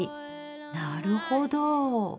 なるほど。